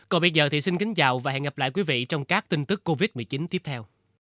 còn bây giờ thì xin kính chào và hẹn gặp lại quý vị trong các tin tức covid một mươi chín tiếp theo